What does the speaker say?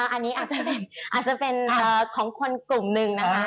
อันนี้อาจจะเป็นของคนกลุ่มหนึ่งนะคะ